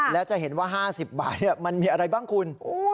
และจะเห็นว่า๕๐บาทมันมีอะไรบ้างคุณ